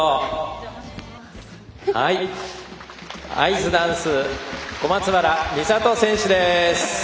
アイスダンス小松原美里選手です。